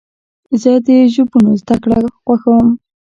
زه د ژبونو زدهکړه خوښوم.